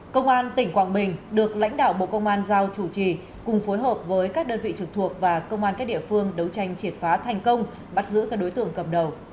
công an tỉnh quảng bình được lãnh đạo bộ công an giao chủ trì cùng phối hợp với các đơn vị trực thuộc và công an các địa phương đấu tranh triệt phá thành công bắt giữ các đối tượng cầm đầu